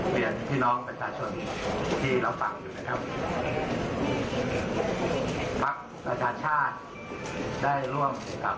เปลี่ยนพี่น้องเป็นสาชนที่เราฟังอยู่นะครับภรรยาชาติได้ร่วมกับ